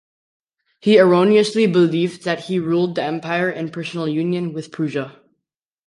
He erroneously believed that he ruled the empire in personal union with Prussia.